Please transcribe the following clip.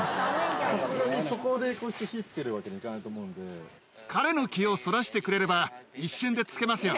さすがにそこでこうやって火つけるわけにはいかないと思うの彼の気をそらしてくれれば、一瞬でつけますよ。